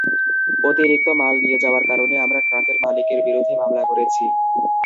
অতিরিক্ত মাল নিয়ে যাওয়ার কারণে আমরা ট্রাকের মালিকের বিরুদ্ধে মামলা করেছি।